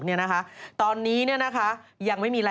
สนับสนุนโดยดีที่สุดคือการให้ไม่สิ้นสุด